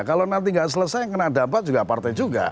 kalau nanti nggak selesai kena dapat juga partai juga